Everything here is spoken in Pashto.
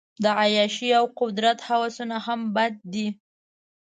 د عیاشۍ او قدرت هوسونه هم بد دي.